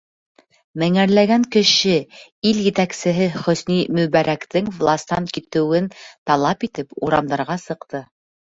Меңәрләгән кеше, ил етәксеһе Хөсни Мөбәрәктең властан китеүен талап итеп, урамдарға сыҡты.